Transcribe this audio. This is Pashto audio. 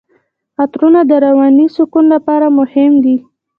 عطرونه د رواني سکون لپاره مهم دي.